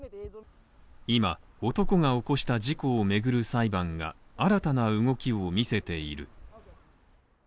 今、男が起こした事故をめぐる裁判が新たな動きを見せている。